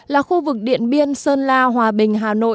là khu vực điện biên sơn la hòa bình hà nội